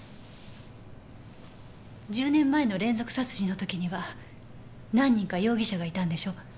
１０年前の連続殺人の時には何人か容疑者がいたんでしょ？